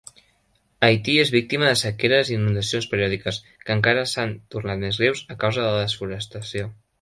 Haiti és víctima de sequeres i inundacions periòdiques, que encara s'han tornat més greus a causa de la desforestació.